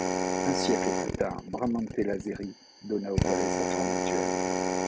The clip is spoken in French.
Un siècle plus tard, Bramante Lazzeri donna au palais sa forme actuelle.